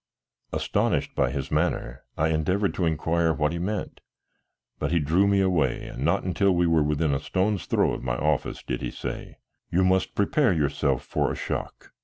Astonished by his manner I endeavored to inquire what he meant, but he drew me away, and not till we were within a stone's throw of my office did he say, "You must prepare yourself for a shock.